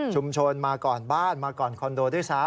มาก่อนบ้านมาก่อนคอนโดด้วยซ้ำ